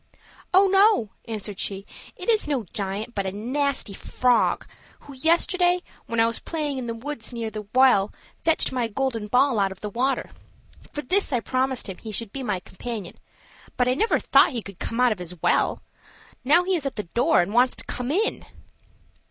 "Oh, no!" answered she, "it is no giant, but a nasty frog, who yesterday, when I was playing in the wood near the well, fetched my golden ball out of the water. For this I promised him he should be my companion, but I never thought he could come out of his well. Now he is at the door, and wants to come in."